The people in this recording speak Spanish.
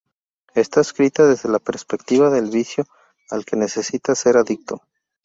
Está escrita desde la perspectiva del vicio al que necesitas ser adicto.